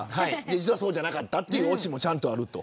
実はそうじゃなかったというオチもある。